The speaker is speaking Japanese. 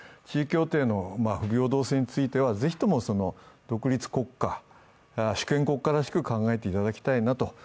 地位協定の不平等性についてはぜひとも独立国家、主権国家らしく考えていただきたいなと。